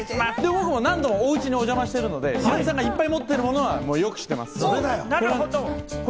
僕も何度も、おうちにお邪魔しているので、ヒロミさんが持ってるものをよく知っています。